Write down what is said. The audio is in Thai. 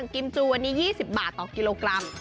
กิมจูวันนี้๒๐บาทต่อกิโลกรัม